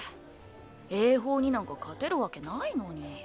英邦になんか勝てるわけないのに。